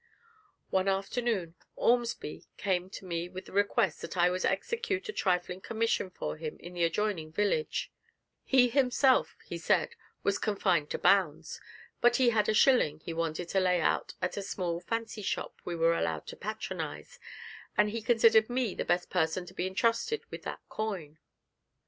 One afternoon Ormsby came to me with the request that I would execute a trifling commission for him in the adjoining village; he himself, he said, was confined to bounds, but he had a shilling he wanted to lay out at a small fancy shop we were allowed to patronise, and he considered me the best person to be entrusted with that coin.